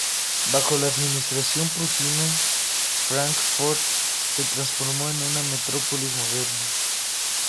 Bajo la administración prusiana, Fráncfort se transformó en una metrópolis moderna.